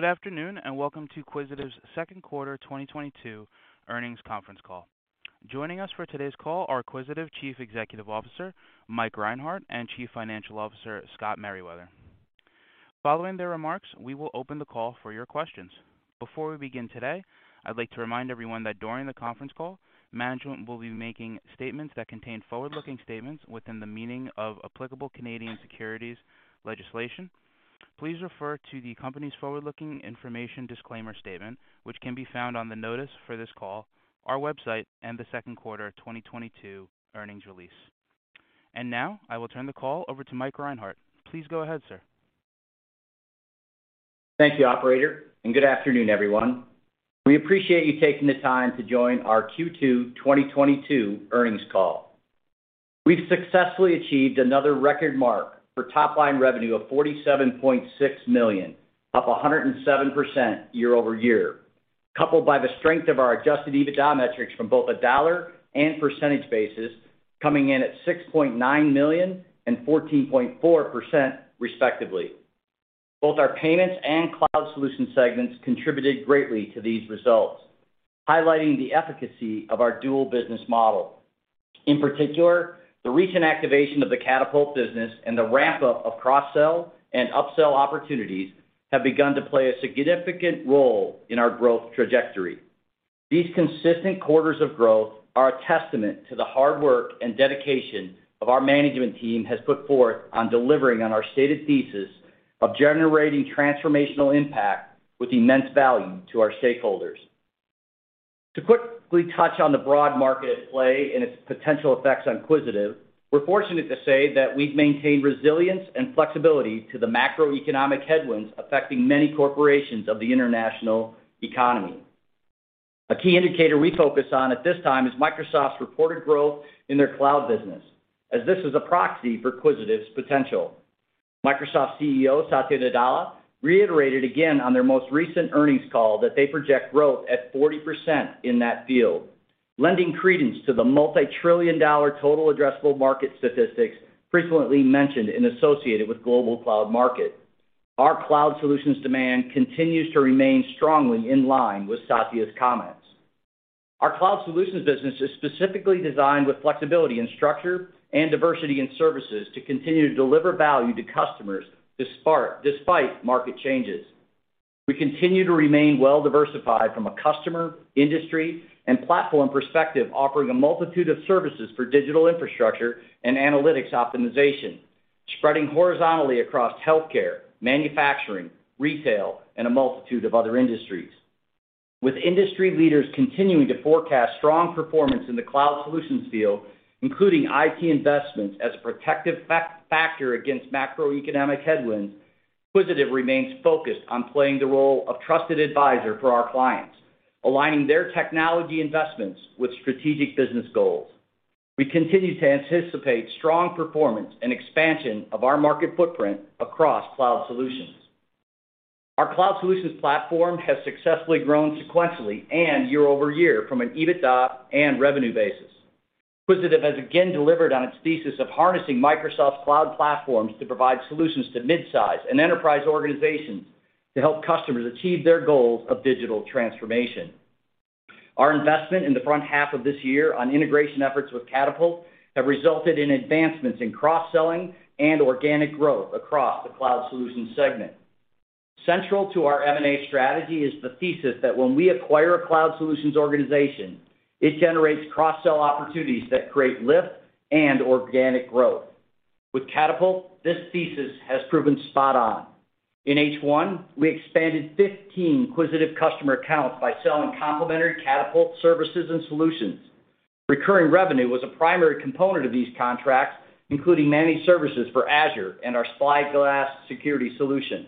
Good afternoon, and Welcome to Quisitive's Q2 2022 Earnings Conference Call. Joining us for today's call are Quisitive Chief Executive Officer Mike Reinhart and Chief Financial Officer Scott Meriwether. Following their remarks, we will open the call for your questions. Before we begin today, I'd like to remind everyone that during the conference call, management will be making statements that contain forward-looking statements within the meaning of applicable Canadian securities legislation. Please refer to the company's forward-looking information disclaimer statement, which can be found on the notice for this call, our website, and the Q2 2022 earnings release. Now, I will turn the call over to Mike Reinhart. Please go ahead, sir. Thank you, operator, and good afternoon, everyone. We appreciate you taking the time to join our Q2 2022 earnings call. We've successfully achieved another record mark for top-line revenue of $47.6 million, up 107% year-over-year, coupled by the strength of our adjusted EBITDA metrics from both a dollar and percentage basis coming in at $6.9 million and 14.4% respectively. Both our payments and cloud solution segments contributed greatly to these results, highlighting the efficacy of our dual business model. In particular, the recent activation of the Catapult business and the ramp-up of cross-sell and upsell opportunities have begun to play a significant role in our growth trajectory. These consistent quarters of growth are a testament to the hard work and dedication of our management team has put forth on delivering on our stated thesis of generating transformational impact with immense value to our stakeholders. To quickly touch on the broad market at play and its potential effects on Quisitive, we're fortunate to say that we've maintained resilience and flexibility to the macroeconomic headwinds affecting many corporations of the international economy. A key indicator we focus on at this time is Microsoft's reported growth in their cloud business, as this is a proxy for Quisitive's potential. Microsoft CEO, Satya Nadella, reiterated again on their most recent earnings call that they project growth at 40% in that field, lending credence to the multi-trillion-dollar total addressable market statistics frequently mentioned and associated with global cloud market. Our cloud solutions demand continues to remain strongly in line with Satya's comments. Our cloud solutions business is specifically designed with flexibility and structure and diversity in services to continue to deliver value to customers despite market changes. We continue to remain well-diversified from a customer, industry, and platform perspective, offering a multitude of services for digital infrastructure, and analytics optimization, spreading horizontally across healthcare, manufacturing, retail, and a multitude of other industries. With industry leaders continuing to forecast strong performance in the cloud solutions field, including IT investments as a protective factor against macroeconomic headwinds, Quisitive remains focused on playing the role of trusted advisor for our clients, aligning their technology investments with strategic business goals. We continue to anticipate strong performance and expansion of our market footprint across cloud solutions. Our cloud solutions platform has successfully grown sequentially and year-over-year from an EBITDA and revenue basis. Quisitive has again delivered on its thesis of harnessing Microsoft's cloud platforms to provide solutions to midsize and enterprise organizations to help customers achieve their goals of digital transformation. Our investment in the front half of this year on integration efforts with Catapult have resulted in advancements in cross-selling and organic growth across the cloud solutions segment. Central to our M&A strategy is the thesis that when we acquire a cloud solutions organization, it generates cross-sell opportunities that create lift and organic growth. With Catapult, this thesis has proven spot on. In H1, we expanded 15 Quisitive customer accounts by selling complementary Catapult services and solutions. Recurring revenue was a primary component of these contracts, including managed services for Azure and our Spyglass security solution.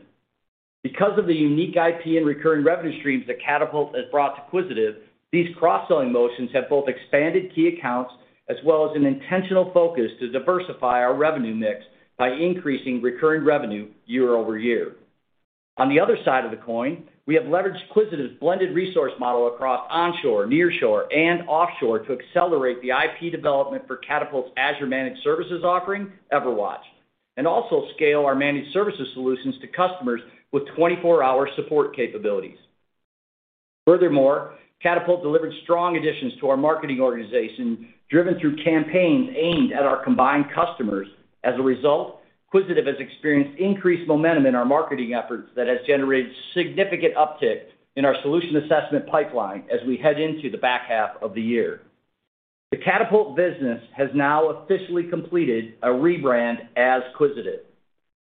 Because of the unique IP and recurring revenue streams that Catapult has brought to Quisitive, these cross-selling motions have both expanded key accounts as well as an intentional focus to diversify our revenue mix by increasing recurring revenue year over year. On the other side of the coin, we have leveraged Quisitive's blended resource model across onshore, nearshore, and offshore to accelerate the IP development for Catapult's Azure managed services offering, EverWatch, and also scale our managed services solutions to customers with 24-hour support capabilities. Furthermore, Catapult delivered strong additions to our marketing organization, driven through campaigns aimed at our combined customers. As a result, Quisitive has experienced increased momentum in our marketing efforts that has generated significant uptick in our solution assessment pipeline as we head into the back half of the year. The Catapult business has now officially completed a rebrand as Quisitive.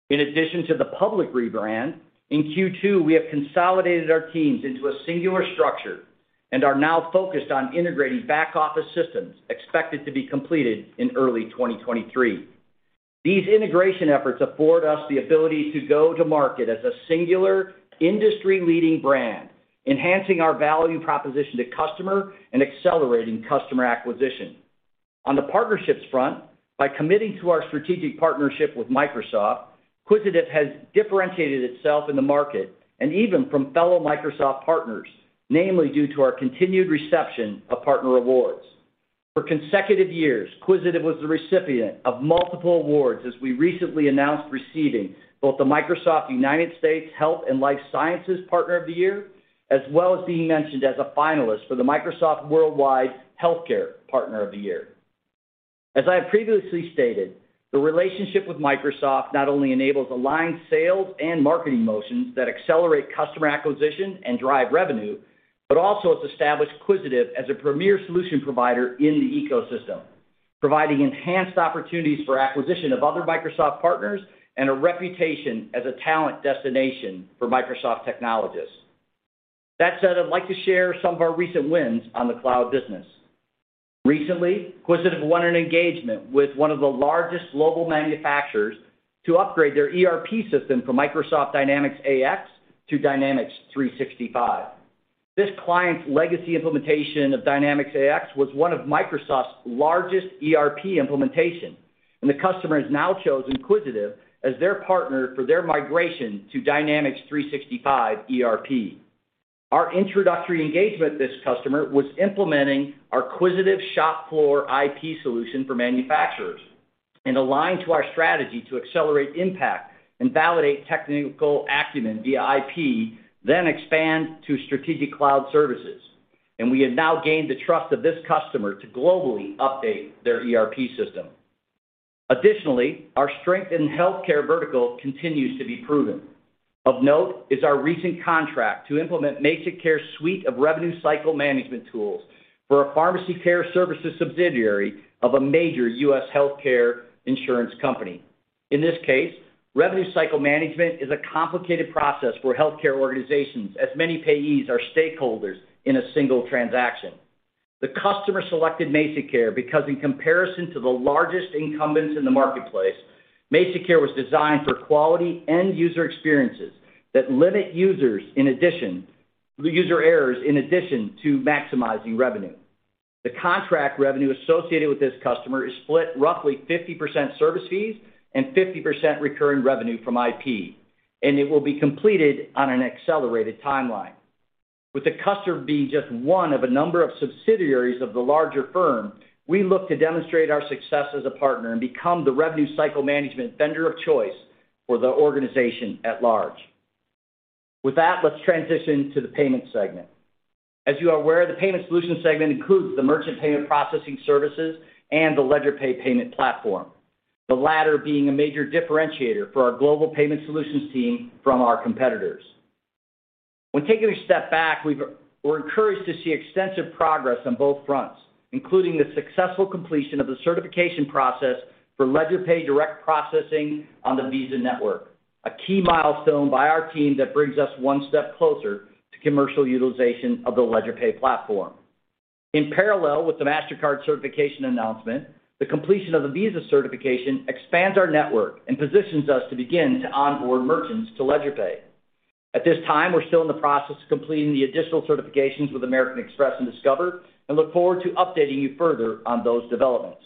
In addition to the public rebrand, in Q2, we have consolidated our teams into a singular structure and are now focused on integrating back-office systems expected to be completed in early 2023. These integration efforts afford us the ability to go to market as a singular industry-leading brand, enhancing our value proposition to customer, and accelerating customer acquisition. On the partnerships front, by committing to our strategic partnership with Microsoft, Quisitive has differentiated itself in the market and even from fellow Microsoft partners, namely due to our continued reception of partner awards. For consecutive years, Quisitive was the recipient of multiple awards as we recently announced receiving both the Microsoft United States Health and Life Sciences Partner of the Year, as well as being mentioned as a finalist for the Microsoft Global Healthcare Partner of the Year. As I have previously stated, the relationship with Microsoft not only enables aligned sales and marketing motions that accelerate customer acquisition and drive revenue, but also has established Quisitive as a premier solution provider in the ecosystem, providing enhanced opportunities for acquisition of other Microsoft partners and a reputation as a talent destination for Microsoft technologists. That said, I'd like to share some of our recent wins on the cloud business. Recently, Quisitive won an engagement with one of the largest global manufacturers to upgrade their ERP system from Microsoft Dynamics AX to Dynamics 365. This client's legacy implementation of Dynamics AX was one of Microsoft's largest ERP implementation, and the customer has now chosen Quisitive as their partner for their migration to Dynamics 365 ERP. Our introductory engagement with this customer was implementing our Quisitive ShopFloor IP solution for manufacturers and aligned to our strategy to accelerate impact and validate technical acumen via IP, then expand to strategic cloud services. We have now gained the trust of this customer to globally update their ERP system. Additionally, our strength in healthcare vertical continues to be proven. Of note is our recent contract to implement MazikCare's suite of revenue cycle management tools for a pharmacy care services subsidiary of a major US healthcare insurance company. In this case, revenue cycle management is a complicated process for healthcare organizations, as many payees are stakeholders in a single transaction. The customer selected MazikCare because in comparison to the largest incumbents in the marketplace, MazikCare was designed for quality end-user experiences that limit user errors in addition to maximizing revenue. The contract revenue associated with this customer is split roughly 50% service fees and 50% recurring revenue from IP, and it will be completed on an accelerated timeline. With the customer being just one of a number of subsidiaries of the larger firm, we look to demonstrate our success as a partner and become the revenue cycle management vendor of choice for the organization at large. With that, let's transition to the payment segment. As you are aware, the payment solution segment includes the merchant payment processing services and the LedgerPay payment platform, the latter being a major differentiator for our global payment solutions team from our competitors. When taking a step back, we're encouraged to see extensive progress on both fronts, including the successful completion of the certification process for LedgerPay direct processing on the Visa network, a key milestone by our team that brings us one step closer to commercial utilization of the LedgerPay platform. In parallel with the Mastercard certification announcement, the completion of the Visa certification expands our network and positions us to begin to onboard merchants to LedgerPay. At this time, we're still in the process of completing the additional certifications with American Express and Discover, and look forward to updating you further on those developments.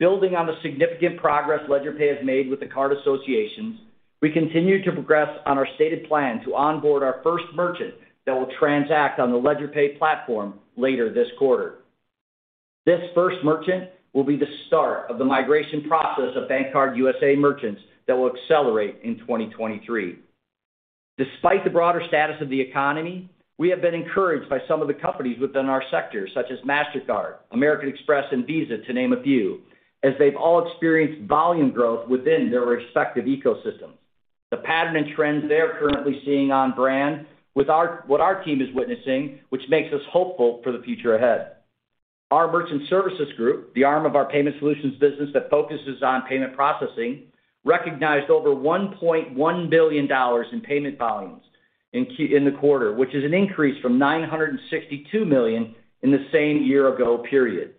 Building on the significant progress LedgerPay has made with the card associations, we continue to progress on our stated plan to onboard our first merchant that will transact on the LedgerPay platform later this quarter. This first merchant will be the start of the migration process of BankCard USA merchants that will accelerate in 2023. Despite the broader status of the economy, we have been encouraged by some of the companies within our sector, such as Mastercard, American Express, and Visa, to name a few, as they've all experienced volume growth within their respective ecosystems. The pattern and trends they are currently seeing on brand with what our team is witnessing, which makes us hopeful for the future ahead. Our merchant services group, the arm of our payment solutions business that focuses on payment processing, recognized over $1.1 billion in payment volumes in the quarter, which is an increase from $962 million in the same year ago period,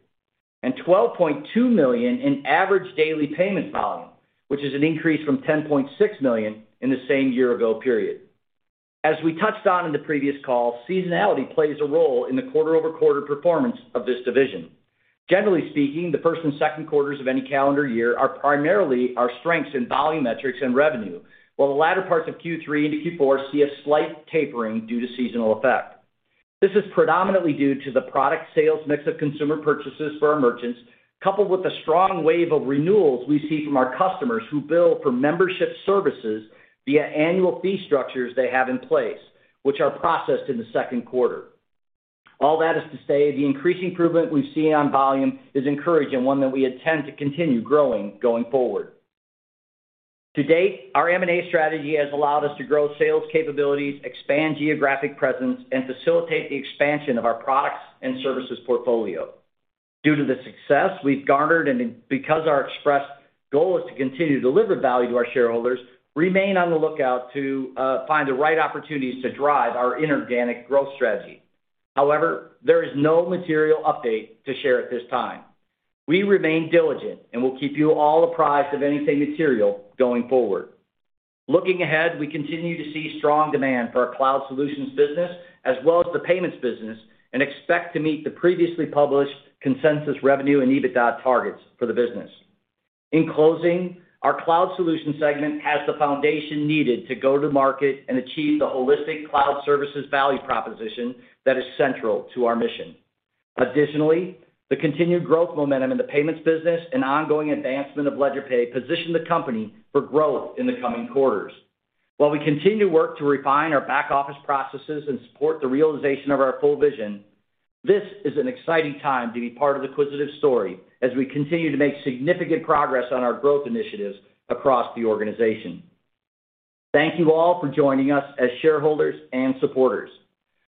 and $12.2 million in average daily payment volume, which is an increase from $10.6 million in the same year ago period. As we touched on in the previous call, seasonality plays a role in the quarter-over-quarter performance of this division. Generally speaking, the first and Q2s of any calendar year are primarily our strengths in volume metrics and revenue, while the latter parts of Q3 into Q4 see a slight tapering due to seasonal effect. This is predominantly due to the product sales mix of consumer purchases for our merchants, coupled with the strong wave of renewals we see from our customers who bill for membership services via annual fee structures they have in place, which are processed in the Q2. All that is to say, the increasing improvement we've seen on volume is encouraging, one that we intend to continue growing going forward. To date, our M&A strategy has allowed us to grow sales capabilities, expand geographic presence, and facilitate the expansion of our products and services portfolio. Due to the success we've garnered and because our expressed goal is to continue to deliver value to our shareholders, remain on the lookout to find the right opportunities to drive our inorganic growth strategy. However, there is no material update to share at this time. We remain diligent and will keep you all apprised of anything material going forward. Looking ahead, we continue to see strong demand for our cloud solutions business as well as the payments business and expect to meet the previously published consensus revenue and EBITDA targets for the business. In closing, our cloud solution segment has the foundation needed to go to market and achieve the holistic cloud services value proposition that is central to our mission. Additionally, the continued growth momentum in the payments business and ongoing advancement of LedgerPay position the company for growth in the coming quarters. While we continue to work to refine our back-office processes and support the realization of our full vision, this is an exciting time to be part of the Quisitive story as we continue to make significant progress on our growth initiatives across the organization. Thank you all for joining us as shareholders and supporters.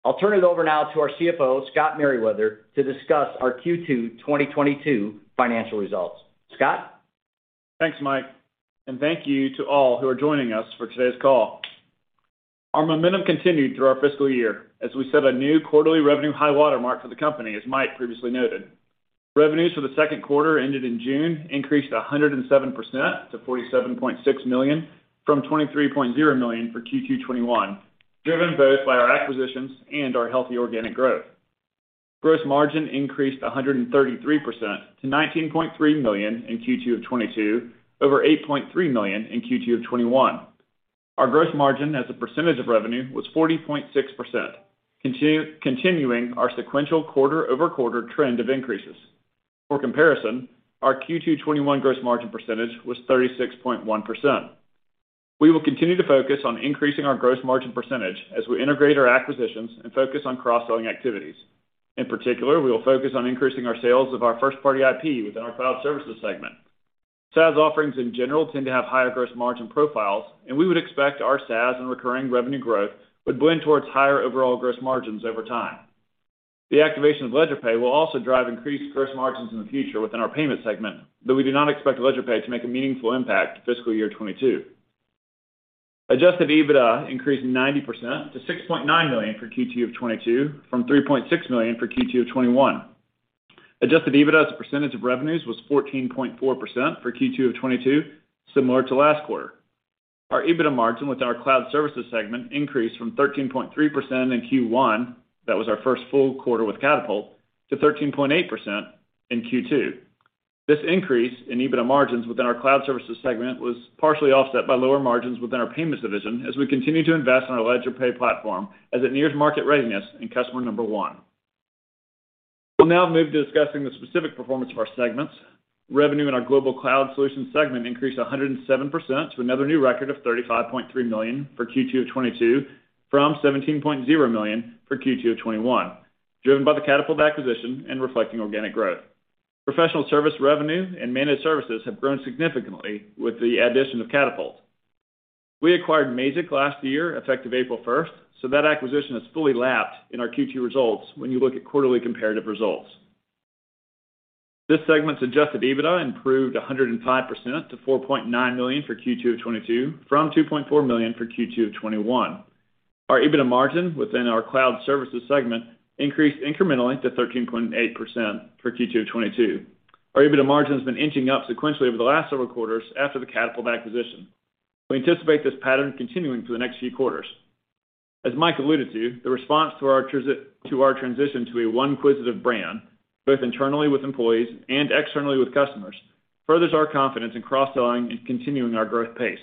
I'll turn it over now to our CFO, Scott Meriwether, to discuss our Q2 2022 financial results. Scott? Thanks, Mike, and thank you to all who are joining us for today's call. Our momentum continued through our fiscal year as we set a new quarterly revenue high watermark for the company, as Mike previously noted. Revenues for the Q2 ended in June increased 107% to $47.6 million from $23.0 million for Q2 2021, driven both by our acquisitions and our healthy organic growth. Gross margin increased 133% to $19.3 million in Q2 of 2022 over $8.3 million in Q2 of 2021. Our gross margin as a percentage of revenue was 40.6%, continuing our sequential quarter-over-quarter trend of increases. For comparison, our Q2 2021 gross margin percentage was 36.1%. We will continue to focus on increasing our gross margin percentage as we integrate our acquisitions and focus on cross-selling activities. In particular, we will focus on increasing our sales of our first-party IP within our cloud services segment. SaaS offerings in general tend to have higher gross margin profiles, and we would expect our SaaS and recurring revenue growth would blend towards higher overall gross margins over time. The activation of LedgerPay will also drive increased gross margins in the future within our payment segment, though we do not expect LedgerPay to make a meaningful impact to fiscal year 2022. Adjusted EBITDA increased 90% to $6.9 million for Q2 of 2022 from $3.6 million for Q2 of 2021. Adjusted EBITDA as a percentage of revenues was 14.4% for Q2 of 2022, similar to last quarter. Our EBITDA margin within our cloud services segment increased from 13.3% in Q1, that was our first full quarter with Catapult, to 13.8% in Q2. This increase in EBITDA margins within our cloud services segment was partially offset by lower margins within our payments division as we continue to invest on our LedgerPay platform as it nears market readiness and customer number one. We'll now move to discussing the specific performance of our segments. Revenue in our global cloud solutions segment increased 107% to another new record of $35.3 million for Q2 of 2022 from $17.0 million for Q2 of 2021, driven by the Catapult acquisition and reflecting organic growth. Professional service revenue and managed services have grown significantly with the addition of Catapult. We acquired Mazik last year, effective April first, so that acquisition has fully lapped in our Q2 results when you look at quarterly comparative results. This segment's adjusted EBITDA improved 105% to $4.9 million for Q2 of 2022 from $2.4 million for Q2 of 2021. Our EBITDA margin within our cloud services segment increased incrementally to 13.8% for Q2 of 2022. Our EBITDA margin has been inching up sequentially over the last several quarters after the Catapult acquisition. We anticipate this pattern continuing for the next few quarters. As Mike alluded to, the response to our transition to a one Quisitive brand, both internally with employees and externally with customers, furthers our confidence in cross-selling and continuing our growth pace.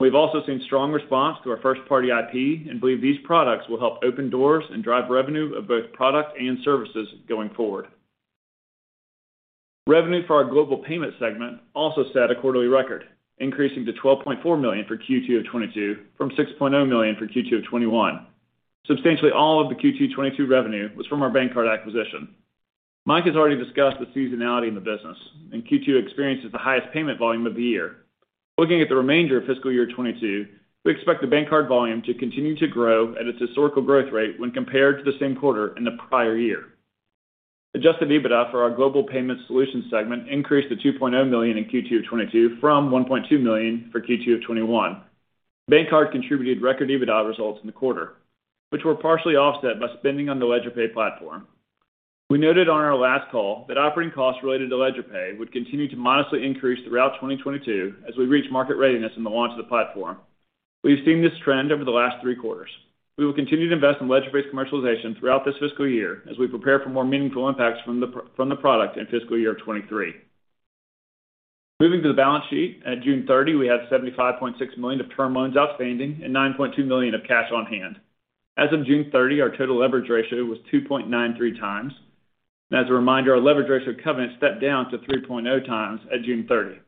We've also seen strong response to our first-party IP and believe these products will help open doors and drive revenue of both product and services going forward. Revenue for our global payment segment also set a quarterly record, increasing to $12.4 million for Q2 of 2022 from $6.0 million for Q2 of 2021. Substantially all of the Q2 2022 revenue was from our BankCard acquisition. Mike has already discussed the seasonality in the business, and Q2 experiences the highest payment volume of the year. Looking at the remainder of fiscal year 2022, we expect the BankCard volume to continue to grow at its historical growth rate when compared to the same quarter in the prior year. Adjusted EBITDA for our global payment solutions segment increased to $2.0 million in Q2 of 2022 from $1.2 million for Q2 of 2021. BankCard contributed record EBITDA results in the quarter, which were partially offset by spending on the LedgerPay platform. We noted on our last call that operating costs related to LedgerPay would continue to modestly increase throughout 2022 as we reach market readiness in the launch of the platform. We've seen this trend over the last three quarters. We will continue to invest in LedgerPay's commercialization throughout this fiscal year as we prepare for more meaningful impacts from the product in fiscal year 2023. Moving to the balance sheet, at June 30th, we had $75.6 million of term loans outstanding and $9.2 million of cash on hand. As of June 30, our total leverage ratio was 2.93x. As a reminder, our leverage ratio covenant stepped down to 3.0x at June 30.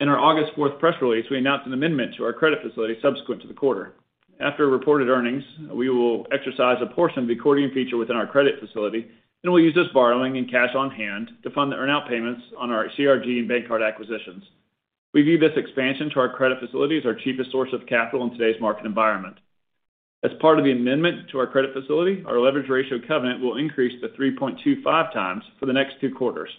In our August fourth press release, we announced an amendment to our credit facility subsequent to the quarter. After reported earnings, we will exercise a portion of the accordion feature within our credit facility, and we'll use this borrowing and cash on hand to fund the earn-out payments on our CRG and BankCard acquisitions. We view this expansion to our credit facility as our cheapest source of capital in today's market environment. As part of the amendment to our credit facility, our leverage ratio covenant will increase to 3.25x for the next two quarters.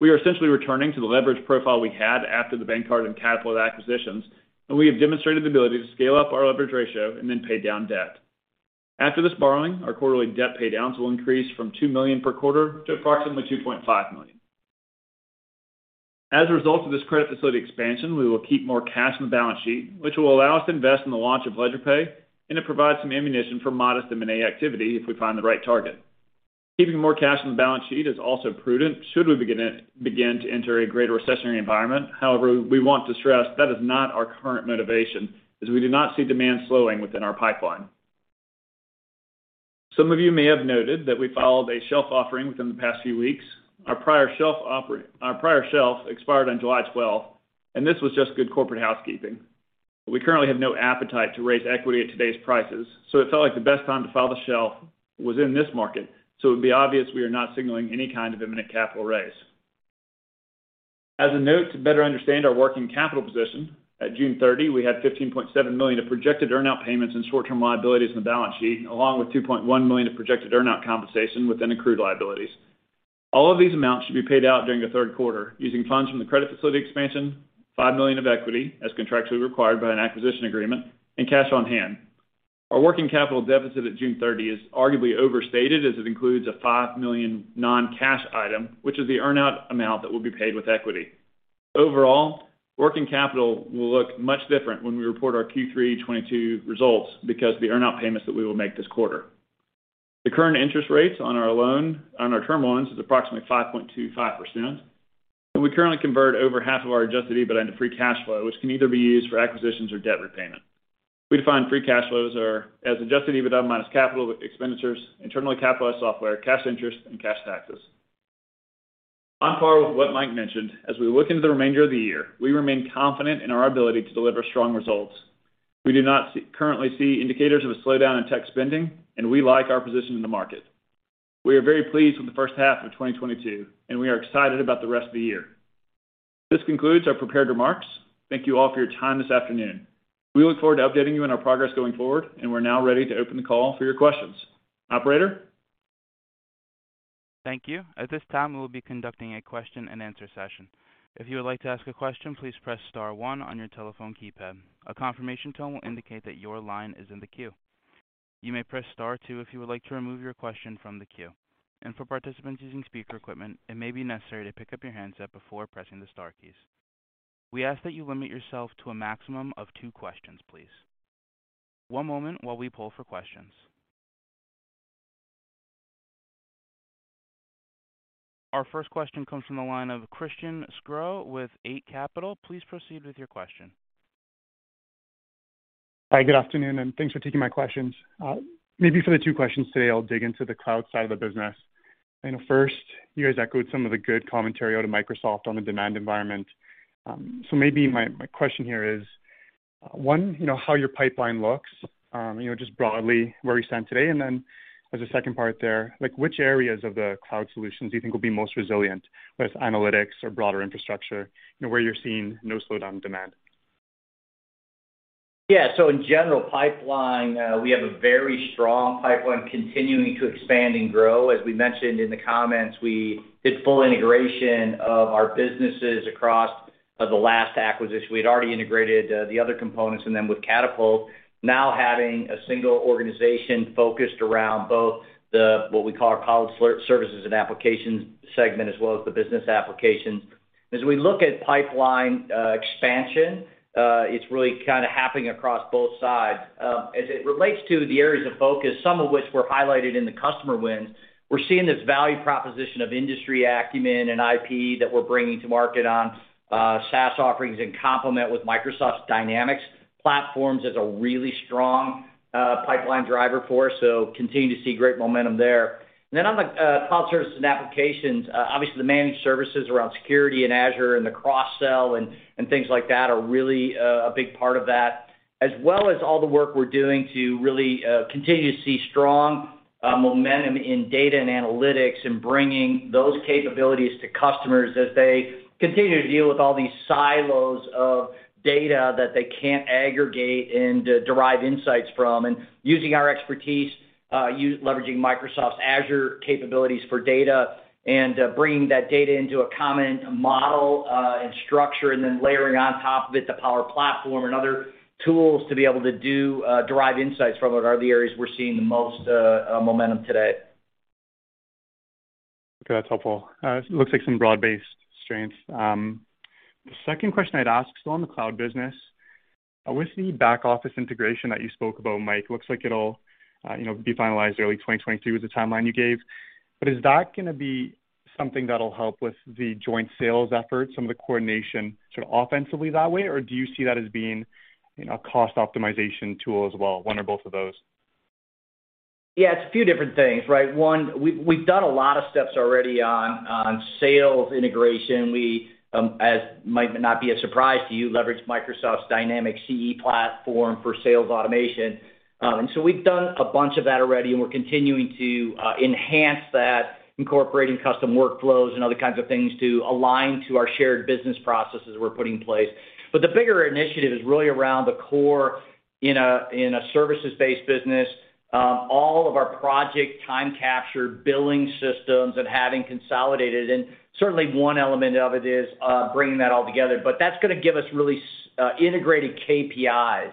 We are essentially returning to the leverage profile we had after the BankCard and Catapult acquisitions, and we have demonstrated the ability to scale up our leverage ratio and then pay down debt. After this borrowing, our quarterly debt pay downs will increase from 2 million per quarter to approximately 2.5 million. As a result of this credit facility expansion, we will keep more cash in the balance sheet, which will allow us to invest in the launch of LedgerPay, and it provides some ammunition for modest M&A activity if we find the right target. Keeping more cash on the balance sheet is also prudent should we begin to enter a greater recessionary environment. However, we want to stress that is not our current motivation as we do not see demand slowing within our pipeline. Some of you may have noted that we filed a shelf offering within the past few weeks. Our prior shelf expired on July twelfth, and this was just good corporate housekeeping. We currently have no appetite to raise equity at today's prices, so it felt like the best time to file the shelf was in this market, so it would be obvious we are not signaling any kind of imminent capital raise. As a note to better understand our working capital position, at June 30, we had $15.7 million of projected earnout payments and short-term liabilities on the balance sheet, along with $2.1 million of projected earnout compensation within accrued liabilities. All of these amounts should be paid out during the Q3 using funds from the credit facility expansion, $5 million of equity as contractually required by an acquisition agreement, and cash on hand. Our working capital deficit at June 30 is arguably overstated, as it includes a $5 million non-cash item, which is the earnout amount that will be paid with equity. Overall, working capital will look much different when we report our Q3 2022 results because the earnout payments that we will make this quarter. The current interest rates on our loan, on our term loans is approximately 5.25%. We currently convert over half of our adjusted EBITDA into free cash flow, which can either be used for acquisitions or debt repayment. We define free cash flows are as adjusted EBITDA minus capital expenditures, internal capitalized software, cash interest, and cash taxes. On par with what Mike mentioned, as we look into the remainder of the year, we remain confident in our ability to deliver strong results. We currently see indicators of a slowdown in tech spending, and we like our position in the market. We are very pleased with the first half of 2022, and we are excited about the rest of the year. This concludes our prepared remarks. Thank you all for your time this afternoon. We look forward to updating you on our progress going forward, and we're now ready to open the call for your questions. Operator? Thank you. At this time, we will be conducting a question-and-answer session. Our first question from the line of Christian Sgro with Eight Capital. Please proceed with your question. Hi, good afternoon, and thanks for taking my questions. Maybe for the two questions today, I'll dig into the cloud side of the business. You know, first, you guys echoed some of the good commentary out of Microsoft on the demand environment. Maybe my question here is, one, you know, how your pipeline looks, you know, just broadly where you stand today. Then as a second part there, like which areas of the cloud solutions do you think will be most resilient, whether it's analytics or broader infrastructure, you know, where you're seeing no slowdown in demand? Yeah. In general pipeline, we have a very strong pipeline continuing to expand and grow. As we mentioned in the comments, we did full integration of our businesses across the last acquisition. We'd already integrated the other components and then with Catapult now having a single organization focused around both the, what we call our cloud services and applications segment as well as the business applications. As we look at pipeline expansion, it's really kind of happening across both sides. As it relates to the areas of focus, some of which were highlighted in the customer wins, we're seeing this value proposition of industry acumen and IP that we're bringing to market on SaaS offerings in complement with Microsoft's Dynamics platforms is a really strong pipeline driver for us, so continue to see great momentum there. On the cloud services and applications, obviously the managed services around security and Azure and the co-sell and things like that are really a big part of that, as well as all the work we're doing to really continue to see strong momentum in data and analytics and bringing those capabilities to customers as they continue to deal with all these silos of data that they can't aggregate and derive insights from. Using our expertise, us leveraging Microsoft's Azure capabilities for data and bringing that data into a common model and structure and then layering on top of it the Power Platform and other tools to be able to derive insights from it are the areas we're seeing the most momentum today. Okay. That's helpful. It looks like some broad-based strengths. The second question I'd ask, still on the cloud business. With the back-office integration that you spoke about, Mike, looks like it'll, you know, be finalized early 2022 as the timeline you gave. But is that gonna be something that'll help with the joint sales efforts, some of the coordination sort of offensively that way, or do you see that as being, you know, a cost optimization tool as well, one or both of those? Yeah, it's a few different things, right? One, we've done a lot of steps already on sales integration. We, as might not be a surprise to you, leverage Microsoft's Dynamics CE platform for sales automation. So we've done a bunch of that already, and we're continuing to enhance that, incorporating custom workflows and other kinds of things to align to our shared business processes we're putting in place. The bigger initiative is really around the core in a services-based business, all of our project time capture, billing systems and having consolidated. Certainly one element of it is bringing that all together. That's gonna give us really integrated KPIs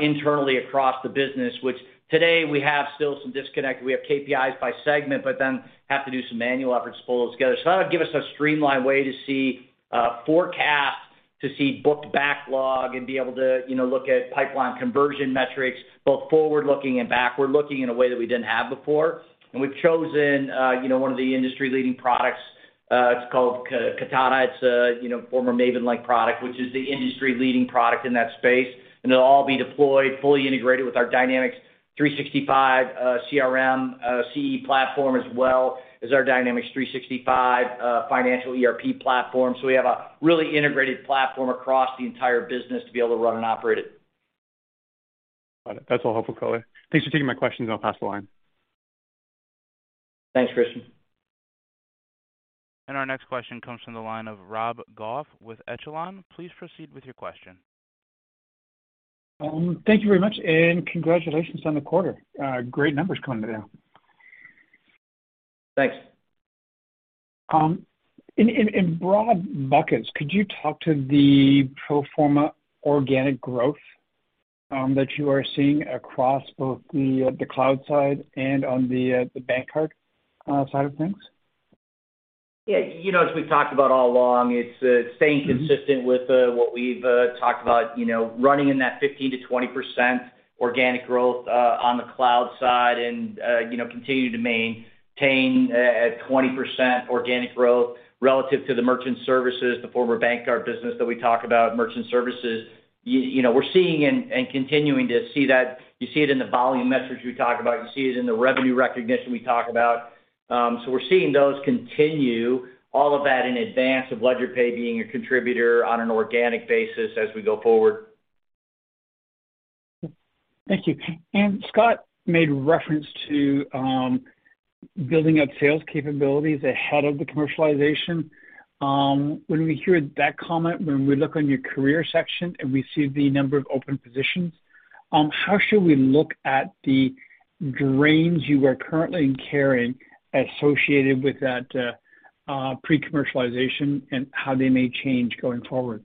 internally across the business, which today we have still some disconnect. We have KPIs by segment, but then have to do some manual efforts to pull those together. That'll give us a streamlined way to see forecast, to see booked backlog and be able to, you know, look at pipeline conversion metrics both forward-looking and backward-looking in a way that we didn't have before. We've chosen, you know, one of the industry-leading products, it's called Kantata. It's a, you know, former Mavenlink product, which is the industry-leading product in that space. It'll all be deployed, fully integrated with our Dynamics 365 CRM CE platform, as well as our Dynamics 365 financial ERP platform. We have a really integrated platform across the entire business to be able to run and operate it. Got it. That's all helpful, Mike Reinhart. Thanks for taking my questions, and I'll pass the line. Thanks, Christian. Our next question comes from the line of Rob Goff with Echelon. Please proceed with your question. Thank you very much, and congratulations on the quarter. Great numbers coming today. Thanks. In broad buckets, could you talk to the pro forma organic growth that you are seeing across both the cloud side and on the bank card side of things? Yeah. You know, as we've talked about all along, it's staying consistent with what we've talked about, you know, running in that 15%-20% organic growth on the cloud side and, you know, continuing to maintain at 20% organic growth relative to the merchant services, the former bank card business that we talk about, merchant services. You know, we're seeing and continuing to see that. You see it in the volume metrics we talk about, you see it in the revenue recognition we talk about. So we're seeing those continue all of that in advance of LedgerPay being a contributor on an organic basis as we go forward. Thank you. Scott made reference to building up sales capabilities ahead of the commercialization. When we hear that comment, when we look on your career section and we see the number of open positions, how should we look at the drains you are currently carrying associated with that pre-commercialization and how they may change going forward?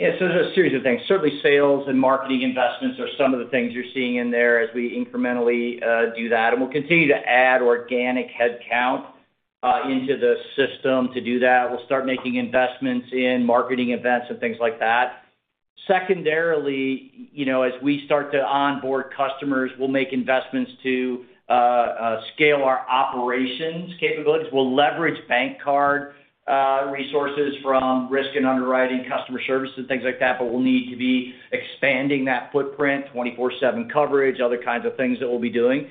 Yeah. There's a series of things. Certainly, sales and marketing investments are some of the things you're seeing in there as we incrementally do that. We'll continue to add organic headcount into the system to do that. We'll start making investments in marketing events and things like that. Secondarily, you know, as we start to onboard customers, we'll make investments to scale our operations capabilities. We'll leverage BankCard resources from risk and underwriting, customer service, and things like that, but we'll need to be expanding that footprint, 24/7 coverage, other kinds of things that we'll be doing.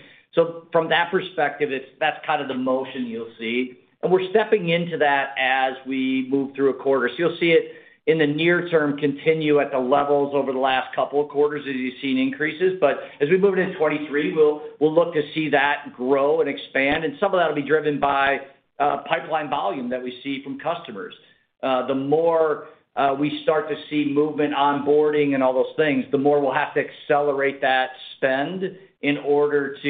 From that perspective, it's that kind of the motion you'll see. We're stepping into that as we move through a quarter. You'll see it in the near term continue at the levels over the last couple of quarters as you've seen increases. As we move into 2023, we'll look to see that grow and expand. Some of that'll be driven by pipeline volume that we see from customers. The more we start to see movement, onboarding, and all those things, the more we'll have to accelerate that spend in order to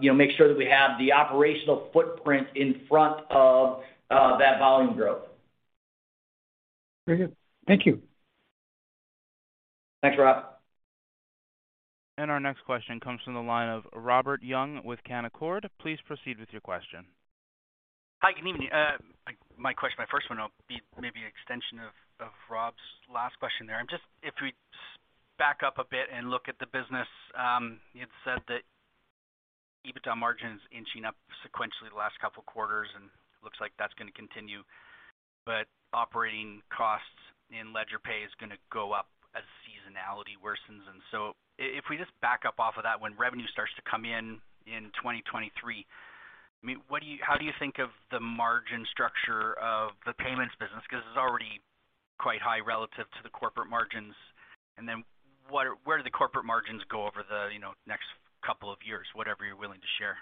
you know, make sure that we have the operational footprint in front of that volume growth. Very good. Thank you. Thanks, Rob. Our next question comes from the line of Robert Young with Canaccord. Please proceed with your question. Hi, good evening. My question, my 1st one will be maybe an extension of Rob's last question there. I'm just if we step back a bit and look at the business. You had said that EBITDA margin's inching up sequentially the last couple quarters, and looks like that's gonna continue. But operating costs in LedgerPay is gonna go up as seasonality worsens. If we just back up off of that, when revenue starts to come in in 2023, I mean, how do you think of the margin structure of the payments business? 'Cause it's already quite high relative to the corporate margins. And then where do the corporate margins go over the, you know, next couple of years? Whatever you're willing to share.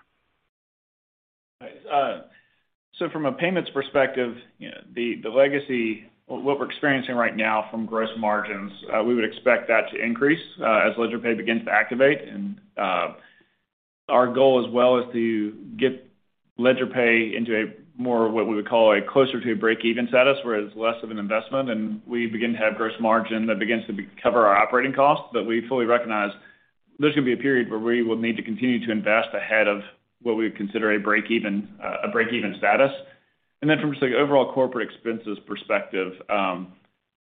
From a payments perspective, the legacy what we're experiencing right now from gross margins, we would expect that to increase as LedgerPay begins to activate. Our goal as well is to get LedgerPay into a more what we would call closer to a break-even status, where it's less of an investment and we begin to have gross margin that begins to recover our operating costs. We fully recognize there's gonna be a period where we will need to continue to invest ahead of what we would consider a break-even status. From just, like, overall corporate expenses perspective,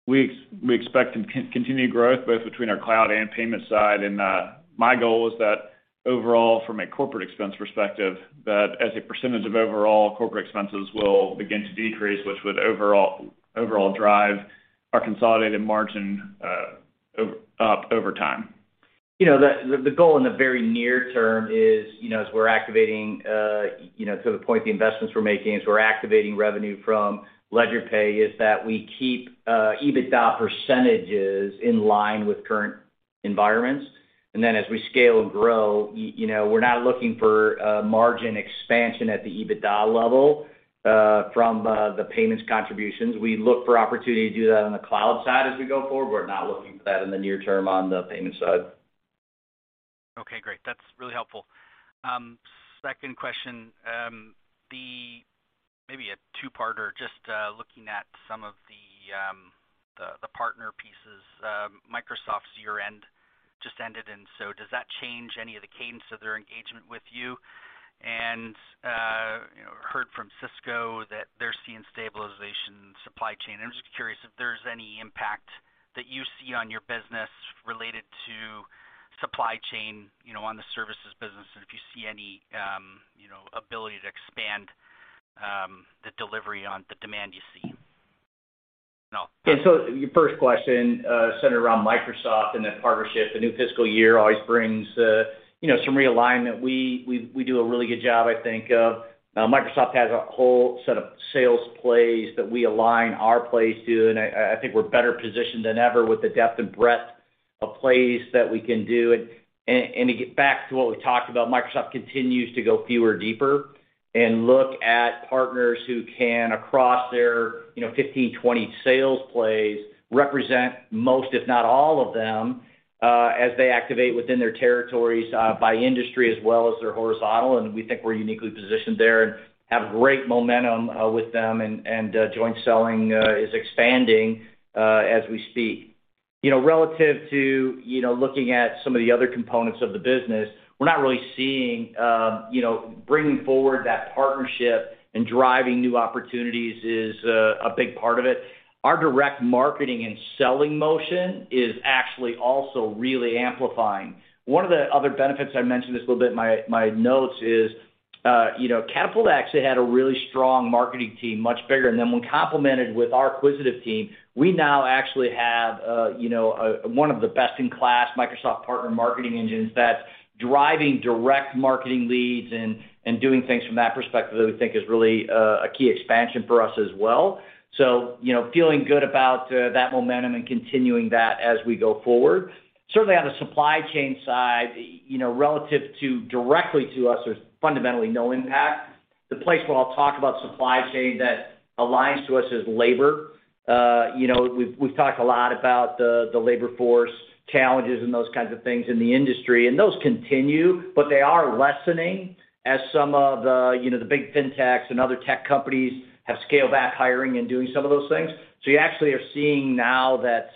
we expect continued growth both between our cloud and payment side. My goal is that overall, from a corporate expense perspective, that as a percentage of overall corporate expenses will begin to decrease, which would overall drive our consolidated margin up over time. You know, the goal in the very near term is, you know, as we're activating, to the point the investments we're making, as we're activating revenue from LedgerPay, is that we keep EBITDA percentages in line with current environments. Then as we scale and grow, you know, we're not looking for margin expansion at the EBITDA level, from the payments contributions. We look for opportunity to do that on the cloud side as we go forward. We're not looking for that in the near term on the payment side. Okay, great. That's really helpful. 2nd question. Maybe a two-parter. Just looking at some of the partner pieces, Microsoft's year-end just ended, and so does that change any of the cadence of their engagement with you? You know, heard from Cisco that they're seeing stabilization in supply chain. I'm just curious if there's any impact that you see on your business related to supply chain, you know, on the services business and if you see any, you know, ability to expand, the delivery on the demand you see. Your first question centered around Microsoft and that partnership. The new fiscal year always brings, you know, some realignment. We do a really good job, I think. Microsoft has a whole set of sales plays that we align our plays to. I think we're better positioned than ever with the depth and breadth of plays that we can do. To get back to what we talked about, Microsoft continues to go fewer, deeper, and look at partners who can, across their, you know, 15, 20 sales plays, represent most, if not all of them, as they activate within their territories, by industry as well as their horizontal. We think we're uniquely positioned there and have great momentum with them and joint selling is expanding as we speak. You know, relative to, you know, looking at some of the other components of the business, we're not really seeing, you know, bringing forward that partnership and driving new opportunities is a big part of it. Our direct marketing and selling motion is actually also really amplifying. One of the other benefits I mentioned just a little bit in my notes is, you know, Catapult actually had a really strong marketing team, much bigger. And then when complemented with our Quisitive team, we now actually have, you know, one of the best-in-class Microsoft partner marketing engines that's driving direct marketing leads and doing things from that perspective that we think is really a key expansion for us as well. You know, feeling good about that momentum and continuing that as we go forward. Certainly, on the supply chain side, you know, relative to directly to us, there's fundamentally no impact. The place where I'll talk about supply chain that aligns to us is labor. You know, we've talked a lot about the labor force challenges and those kinds of things in the industry, and those continue, but they are lessening as some of the, you know, the big fintechs and other tech companies have scaled back hiring and doing some of those things. You actually are seeing now that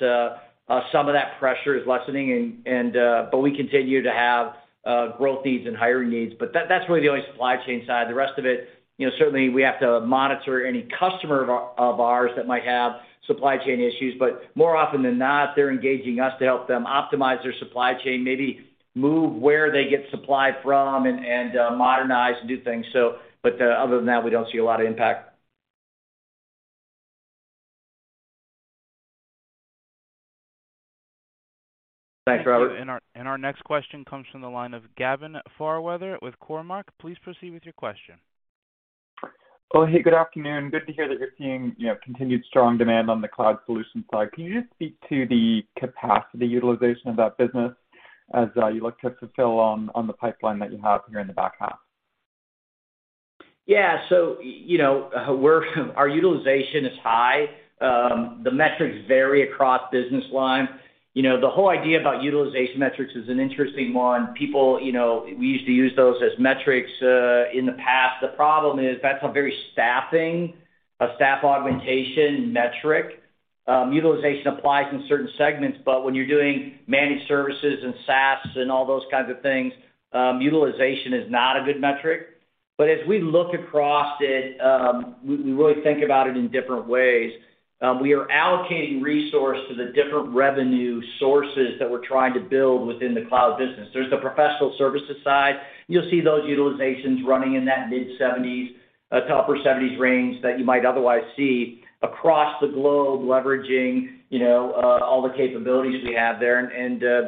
some of that pressure is lessening, but we continue to have growth needs and hiring needs. That's really the only supply chain side. The rest of it, you know, certainly we have to monitor any customer of ours that might have supply chain issues, but more often than not, they're engaging us to help them optimize their supply chain, maybe move where they get supply from and modernize and do things, so. Other than that, we don't see a lot of impact. Thanks, Robert. Our next question comes from the line of Gavin Fairweather with Cormark. Please proceed with your question. Well, hey, good afternoon. Good to hear that you're seeing, you know, continued strong demand on the cloud solutions side. Can you just speak to the capacity utilization of that business as you look to fulfill on the pipeline that you have here in the back half? Our utilization is high. The metrics vary across business line. You know, the whole idea about utilization metrics is an interesting one. People, you know, we used to use those as metrics in the past. The problem is that's a staff augmentation metric. Utilization applies in certain segments, but when you're doing managed services and SaaS and all those kinds of things, utilization is not a good metric. As we look across it, we really think about it in different ways. We are allocating resource to the different revenue sources that we're trying to build within the cloud business. There's the professional services side. You'll see those utilizations running in that mid-70s% to upper 70s% range that you might otherwise see across the globe, leveraging, you know, all the capabilities we have there.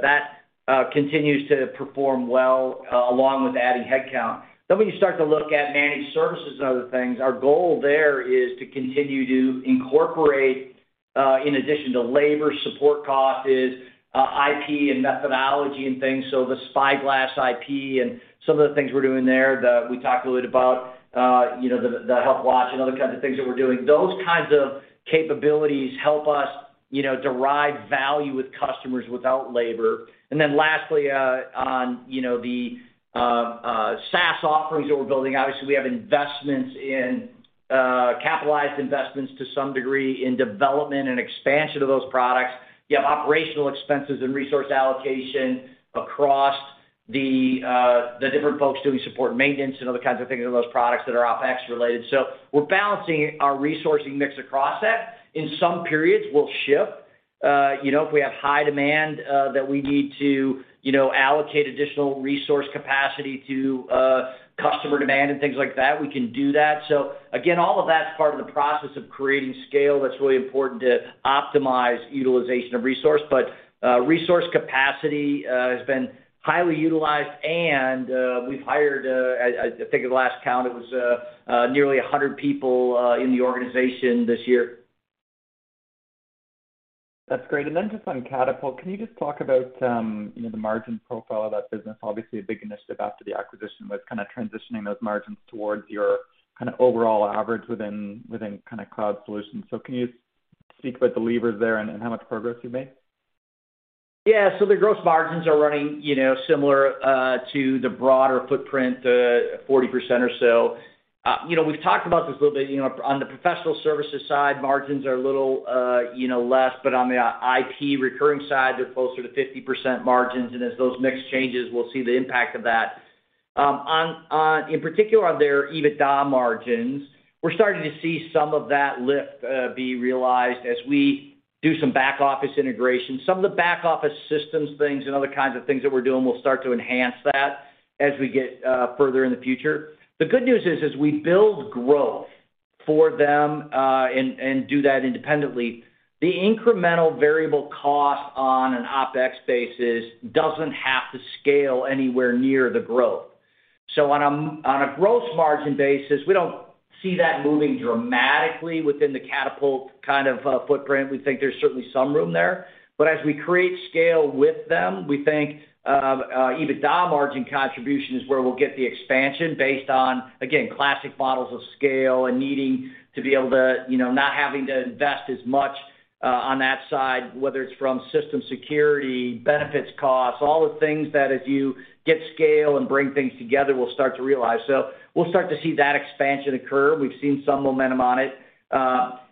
That continues to perform well, along with adding headcount. When you start to look at managed services and other things, our goal there is to continue to incorporate, in addition to labor support costs, IP and methodology and things. The Spyglass IP and some of the things we're doing there that we talked a little bit about, you know, the Health Watch and other kinds of things that we're doing. Those kinds of capabilities help us, you know, derive value with customers without labor. Then lastly, on, you know, the SaaS offerings that we're building, obviously, we have investments in, capitalized investments to some degree in development and expansion of those products. You have operational expenses and resource allocation across the different folks doing support and maintenance and other kinds of things in those products that are OpEx related. We're balancing our resourcing mix across that. In some periods, we'll shift. You know, if we have high demand, that we need to, you know, allocate additional resource capacity to, customer demand and things like that, we can do that. Again, all of that's part of the process of creating scale that's really important to optimize utilization of resource. Resource capacity has been highly utilized, and we've hired, I think at last count it was nearly 100 people in the organization this year. That's great. Just on Catapult, can you just talk about the margin profile of that business? Obviously, a big initiative after the acquisition was kind of transitioning those margins towards your kind of overall average within kind of cloud solutions. Can you speak about the levers there and how much progress you've made? Yeah. The gross margins are running, you know, similar to the broader footprint, 40% or so. You know, we've talked about this a little bit, you know, on the professional services side, margins are a little, you know, less, but on the IP recurring side, they're closer to 50% margins. As those mix changes, we'll see the impact of that. In particular on their EBITDA margins, we're starting to see some of that lift be realized as we do some back-office integration. Some of the back-office systems things and other kinds of things that we're doing will start to enhance that as we get further in the future. The good news is, as we build growth for them, and do that independently, the incremental variable cost on an OpEx basis doesn't have to scale anywhere near the growth. On a growth margin basis, we don't see that moving dramatically within the Catapult kind of footprint. We think there's certainly some room there. As we create scale with them, we think, EBITDA margin contribution is where we'll get the expansion based on, again, classic models of scale and needing to be able to, you know, not having to invest as much, on that side, whether it's from system security, benefits costs, all the things that as you get scale and bring things together, we'll start to realize. We'll start to see that expansion occur. We've seen some momentum on it,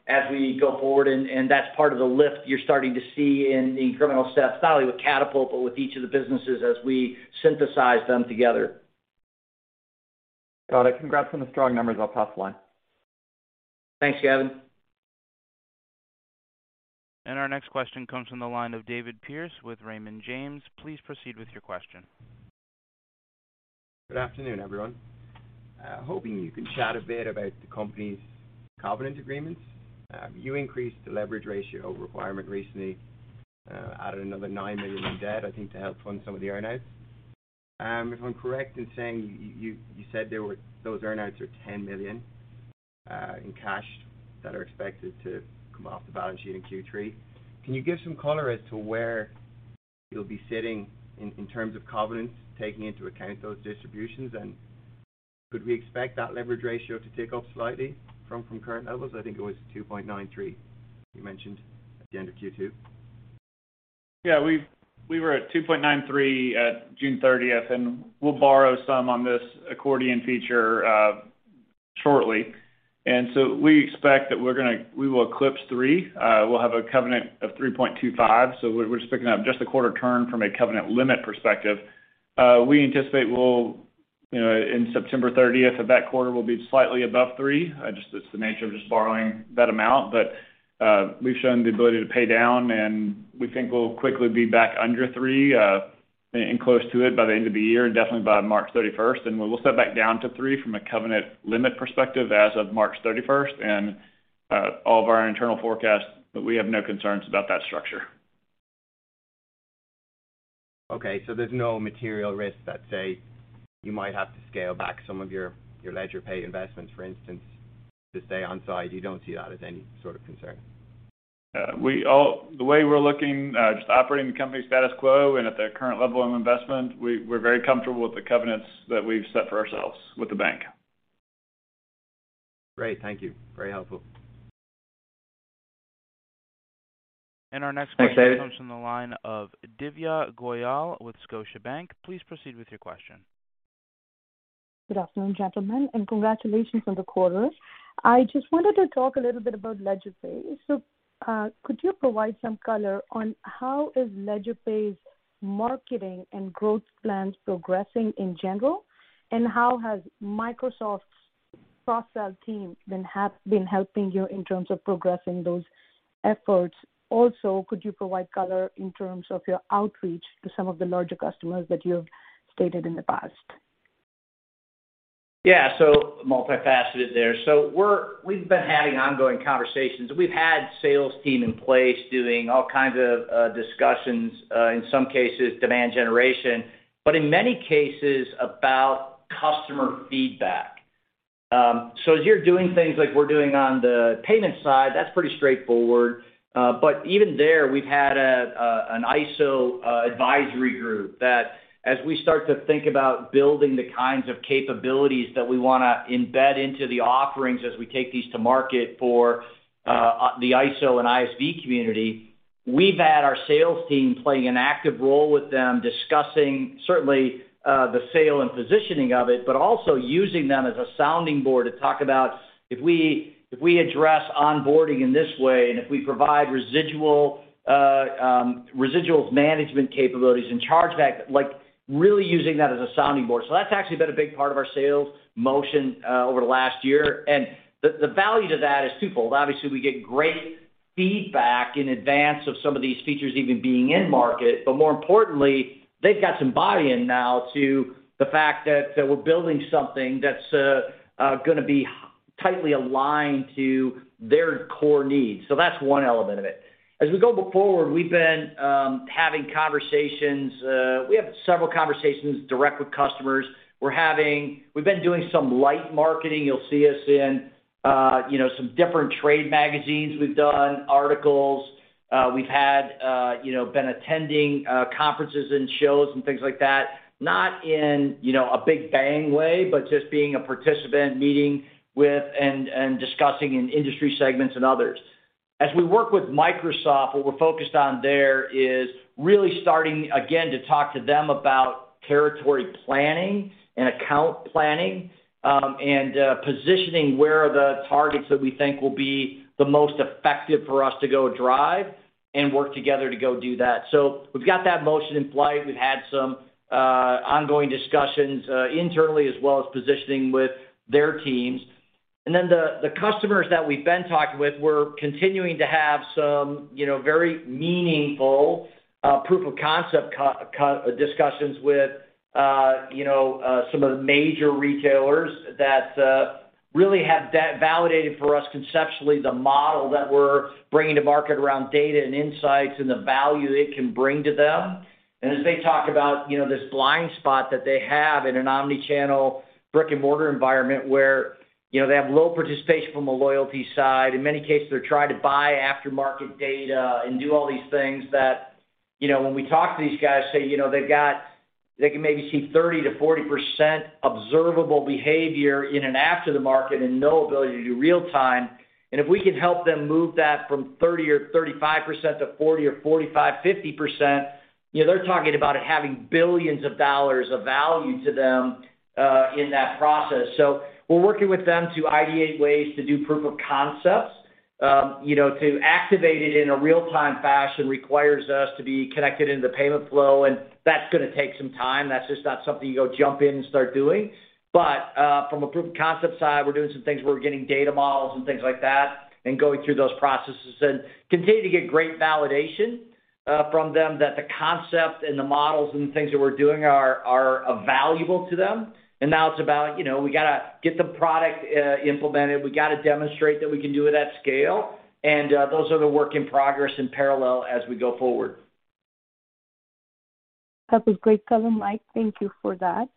as we go forward, and that's part of the lift you're starting to see in the incremental steps, not only with Catapult, but with each of the businesses as we synthesize them together. Got it. Congrats on the strong numbers. I'll pass the line. Thanks, Kevin. Our next question comes from the line of David Pierce with Raymond James. Please proceed with your question. Good afternoon, everyone. Hoping you can chat a bit about the company's covenant agreements. You increased the leverage ratio requirement recently, added another $9 million in debt, I think, to help fund some of the earn-outs. If I'm correct in saying you said those earn-outs are $10 million in cash that are expected to come off the balance sheet in Q3. Can you give some color as to where you'll be sitting in terms of covenants, taking into account those distributions? Could we expect that leverage ratio to tick up slightly from current levels? I think it was 2.93 you mentioned at the end of Q2. Yeah. We were at 2.93 at June 30, and we'll borrow some on this accordion feature shortly. We expect that we will eclipse three. We'll have a covenant of 3.25. We're just picking up just a quarter turn from a covenant limit perspective. We anticipate we'll, you know, in September 30th of that quarter will be slightly above three. Just, it's the nature of just borrowing that amount. But we've shown the ability to pay down, and we think we'll quickly be back under three, and close to it by the end of the year, and definitely by March 31st. We will set back down to three from a covenant limit perspective as of March 31st. All of our internal forecasts, but we have no concerns about that structure. Okay. There's no material risk that, say, you might have to scale back some of your LedgerPay investments, for instance, to stay on site. You don't see that as any sort of concern. The way we're looking, just operating the company status quo and at the current level of investment, we're very comfortable with the covenants that we've set for ourselves with the bank. Great. Thank you. Very helpful. Our next question. Thanks, David. comes from the line of Divya Goyal with Scotiabank. Please proceed with your question. Good afternoon, gentlemen, and congratulations on the quarter. I just wanted to talk a little bit about LedgerPay. Could you provide some color on how is LedgerPay's marketing and growth plans progressing in general? How has Microsoft's co-sell team been helping you in terms of progressing those efforts? Also, could you provide color in terms of your outreach to some of the larger customers that you've stated in the past? Yeah. Multifaceted there. We've been having ongoing conversations. We've had sales team in place doing all kinds of discussions, in some cases, demand generation, but in many cases about customer feedback. As you're doing things like we're doing on the payment side, that's pretty straightforward. Even there, we've had an ISO advisory group that as we start to think about building the kinds of capabilities that we wanna embed into the offerings as we take these to market for the ISO and ISV community, we've had our sales team playing an active role with them discussing certainly the sale and positioning of it, but also using them as a sounding board to talk about if we address onboarding in this way, and if we provide residual residuals management capabilities and chargebacks, like, really using that as a sounding board. That's actually been a big part of our sales motion over the last year. The value to that is twofold. Obviously, we get great feedback in advance of some of these features even being in market. More importantly, they've got some buy-in now to the fact that we're building something that's gonna be tightly aligned to their core needs. That's one element of it. As we go forward, we've been having conversations. We have several conversations direct with customers. We've been doing some light marketing. You'll see us in, you know, some different trade magazines. We've done articles. We've had, you know, been attending conferences and shows and things like that, not in, you know, a big bang way, but just being a participant, meeting with and discussing in industry segments and others. As we work with Microsoft, what we're focused on there is really starting again to talk to them about territory planning and account planning, and positioning where the targets that we think will be the most effective for us to go drive and work together to go do that. We've got that motion in flight. We've had some ongoing discussions internally as well as positioning with their teams. Then the customers that we've been talking with, we're continuing to have some, you know, very meaningful proof of concept discussions with, you know, some of the major retailers that really have validated for us conceptually the model that we're bringing to market around data and insights and the value it can bring to them. As they talk about, you know, this blind spot that they have in an omni-channel, brick-and-mortar environment where, you know, they have low participation from a loyalty side. In many cases, they're trying to buy aftermarket data and do all these things that, you know, when we talk to these guys, say, you know, they can maybe see 30%-40% observable behavior in and after the market and no ability to do real time. If we can help them move that from 30% or 35% to 40% or 45%, 50%, you know, they're talking about it having $ billions of value to them, in that process. We're working with them to ideate ways to do proof of concepts. You know, to activate it in a real-time fashion requires us to be connected into the payment flow, and that's gonna take some time. That's just not something you go jump in and start doing. From a proof of concept side, we're doing some things. We're getting data models and things like that and going through those processes and continue to get great validation, from them that the concept and the models and the things that we're doing are valuable to them. Now it's about, you know, we gotta get the product implemented. We gotta demonstrate that we can do it at scale. Those are the works in progress in parallel as we go forward. That was great color, Mike, thank you for that.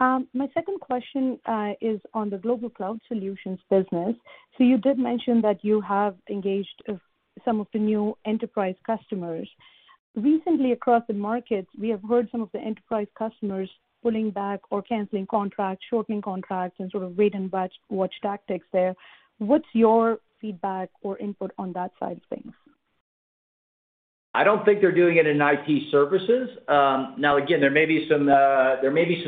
My 2nd question is on the Global Cloud Solutions business. You did mention that you have engaged some of the new enterprise customers. Recently across the markets, we have heard some of the enterprise customers pulling back or canceling contracts, shortening contracts, and sort of wait and watch tactics there. What's your feedback or input on that side of things? I don't think they're doing it in IT services. Now again, there may be some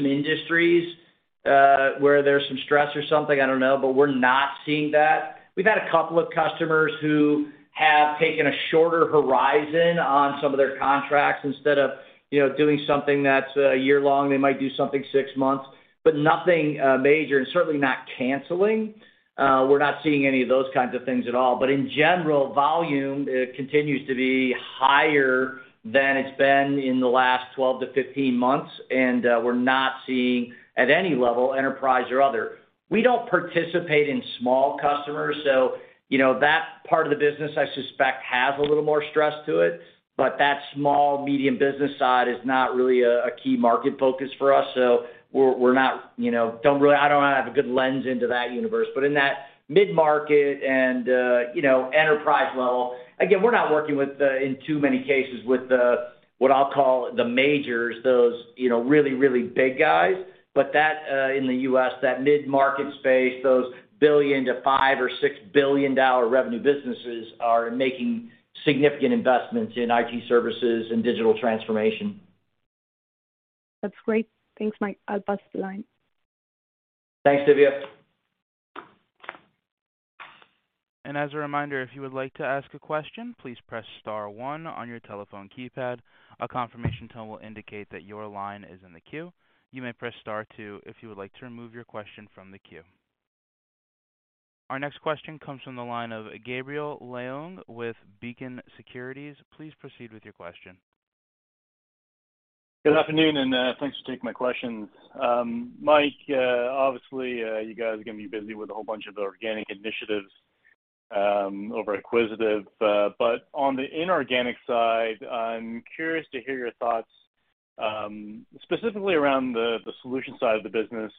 industries where there's some stress or something, I don't know, but we're not seeing that. We've had a couple of customers who have taken a shorter horizon on some of their contracts instead of, you know, doing something that's a year long, they might do something six months, but nothing major, and certainly not canceling. We're not seeing any of those kinds of things at all. In general, volume continues to be higher than it's been in the last 12-15 months, and we're not seeing at any level, enterprise or other. We don't participate in small customers, so, you know, that part of the business, I suspect, has a little more stress to it. That small, medium business side is not really a key market focus for us. We're not, you know, I don't really have a good lens into that universe. In that mid-market and, you know, enterprise level, again, we're not working, in too many cases, with the what I'll call the majors, those, you know, really big guys. In the US, that mid-market space, those $1 billion-$5 or $6 billion- revenue businesses are making significant investments in IT services and digital transformation. That's great. Thanks, Mike. I'll pass the line. Thanks, Divya. Our next question comes from the line of Gabriel Leung with Beacon Securities. Please proceed with your question. Good afternoon, thanks for taking my questions. Mike, obviously, you guys are gonna be busy with a whole bunch of organic initiatives over Quisitive, but on the inorganic side, I'm curious to hear your thoughts, specifically around the solution side of the business,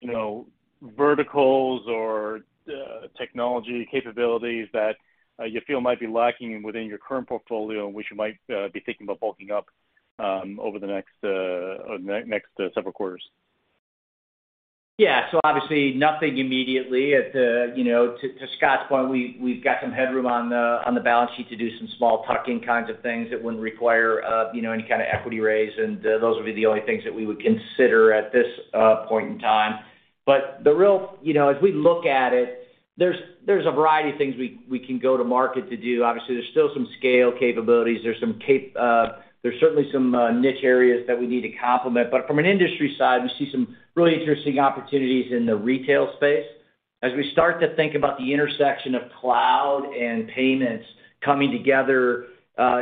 you know, verticals or technology capabilities that you feel might be lacking within your current portfolio, which you might be thinking about bulking up over the next several quarters. Yeah. Obviously nothing immediately. At the, to Scott's point, we've got some headroom on the balance sheet to do some small tuck-in kinds of things that wouldn't require any kind of equity raise, and those would be the only things that we would consider at this point in time. The real, as we look at it, there's a variety of things we can go to market to do. Obviously, there's still some scale capabilities. There's certainly some niche areas that we need to complement. From an industry side, we see some really interesting opportunities in the retail space. As we start to think about the intersection of cloud and payments coming together,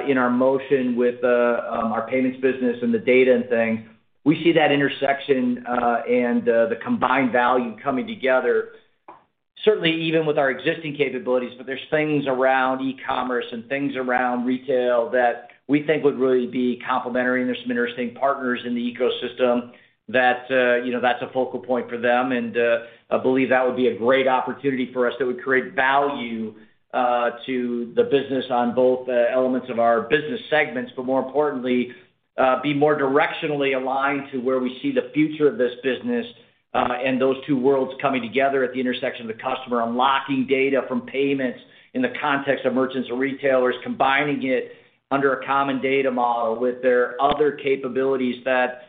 in our motion with our payments business and the data and things, we see that intersection, and the combined value coming together. Certainly even with our existing capabilities, but there's things around e-commerce and things around retail that we think would really be complementary, and there's some interesting partners in the ecosystem that, you know, that's a focal point for them. I believe that would be a great opportunity for us that would create value to the business on both elements of our business segments, but more importantly, be more directionally aligned to where we see the future of this business. Those two worlds coming together at the intersection of the customer, unlocking data from payments in the context of merchants or retailers, combining it under a common data model with their other capabilities that,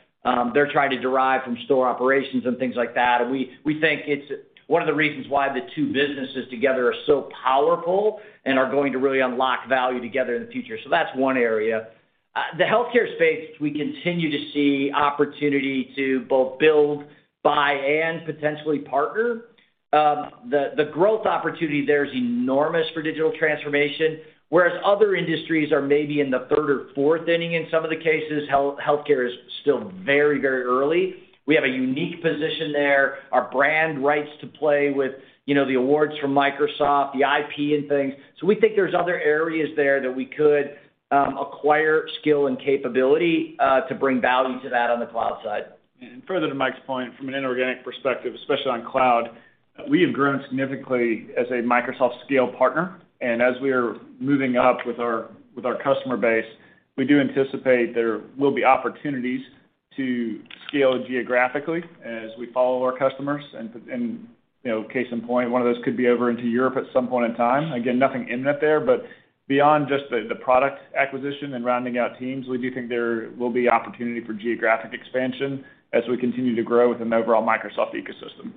they're trying to derive from store operations and things like that. We think it's one of the reasons why the two businesses together are so powerful and are going to really unlock value together in the future. That's one area. The healthcare space, we continue to see opportunity to both build, buy, and potentially partner. The growth opportunity there is enormous for digital transformation, whereas other industries are maybe in the third or fourth inning in some of the cases, healthcare is still very, very early. We have a unique position there. Our brand rights to play with, you know, the awards from Microsoft, the IP and things. We think there's other areas there that we could acquire skill and capability to bring value to that on the cloud side. Further to Mike's point, from an inorganic perspective, especially on cloud, we have grown significantly as a Microsoft scale partner. As we are moving up with our customer base, we do anticipate there will be opportunities to scale geographically as we follow our customers. You know, case in point, one of those could be over into Europe at some point in time. Again, nothing imminent there. Beyond just the product acquisition and rounding out teams, we do think there will be opportunity for geographic expansion as we continue to grow within the overall Microsoft ecosystem.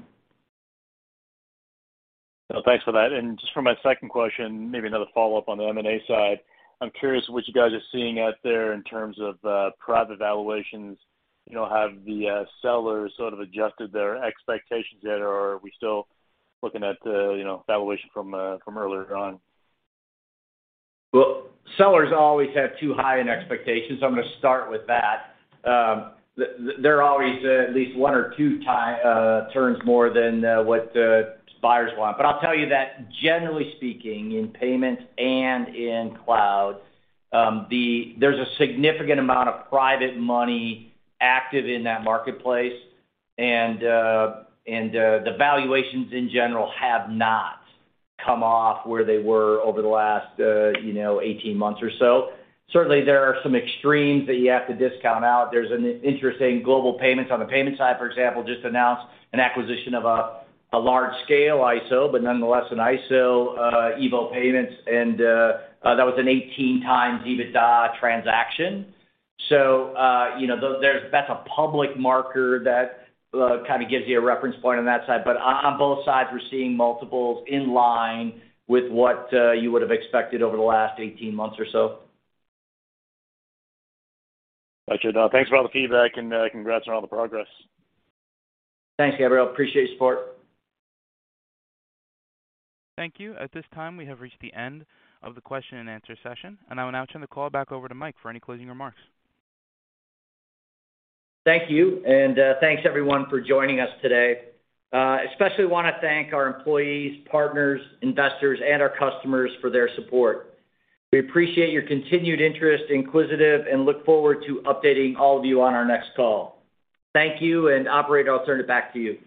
Well, thanks for that. Just for my second question, maybe another follow-up on the M&A side. I'm curious what you guys are seeing out there in terms of private valuations. You know, have the sellers sort of adjusted their expectations yet, or are we still looking at, you know, valuation from earlier on? Well, sellers always have too high an expectation, so I'm gonna start with that. They're always at least one or two turns more than what buyers want. I'll tell you that generally speaking, in payments and in cloud, there's a significant amount of private money active in that marketplace. The valuations in general have not come off where they were over the last, you know, 18 months or so. Certainly, there are some extremes that you have to discount out. There's an interesting Global Payments Inc. on the payment side, for example, just announced an acquisition of a large-scale ISO, but nonetheless an ISO, EVO Payments, Inc. That was an 18 times EBITDA transaction. You know, that's a public marker that kind of gives you a reference point on that side. On both sides, we're seeing multiples in line with what you would have expected over the last 18 months or so. Gotcha. Thanks for all the feedback and, congrats on all the progress. Thanks, Gabriel. Appreciate your support. Thank you. At this time, we have reached the end of the question and answer session, and I will now turn the call back over to Mike for any closing remarks. Thank you. Thanks everyone for joining us today. Especially wanna thank our employees, partners, investors, and our customers for their support. We appreciate your continued interest, Quisitive, and look forward to updating all of you on our next call. Thank you. Operator, I'll turn it back to you.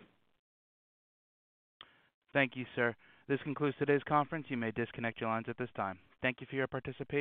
Thank you, sir. This concludes today's conference. You may disconnect your lines at this time. Thank you for your participation.